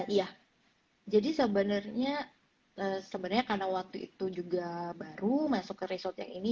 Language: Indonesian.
iya jadi sebenarnya karena waktu itu juga baru masuk ke resort yang ini